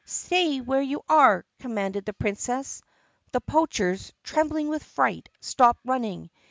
"Stay where you are!" commanded the Princess. The poachers, trembling with fright, stopped run ning.